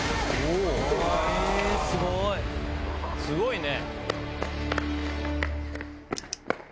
すごいね！